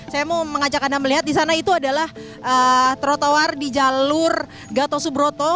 saya mau mengajak anda melihat di sana itu adalah trotoar di jalur gatosubroto